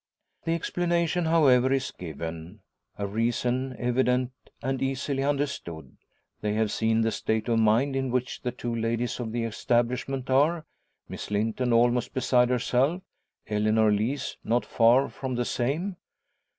The explanation, however, is given a reason evident and easily understood. They have seen the state of mind in which the two ladies of the establishment are Miss Linton almost beside herself, Eleanor Lees not far from the same.